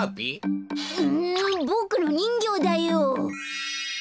ボクのにんぎょうだよ。